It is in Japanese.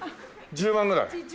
１０万ぐらいです。